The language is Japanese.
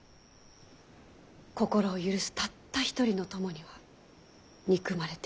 心を許すたった一人の友には憎まれている。